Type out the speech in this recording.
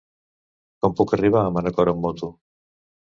Com puc arribar a Manacor amb moto?